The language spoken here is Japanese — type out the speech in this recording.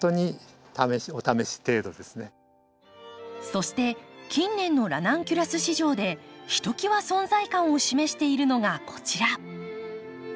そして近年のラナンキュラス市場でひときわ存在感を示しているのがこちら。